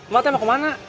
mak tante mau kemana